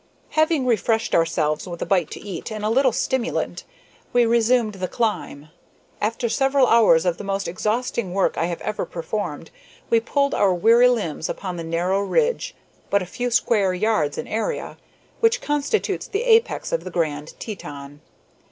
Having refreshed ourselves with a bite to eat and a little stimulant, we resumed the climb. After several hours of the most exhausting work I have ever performed we pulled our weary limbs upon the narrow ridge, but a few square yards in area, which constitutes the apex of the Grand Teton.